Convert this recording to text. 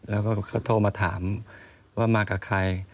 แล้วก็เขาโทรมาถามว่ามากับใคร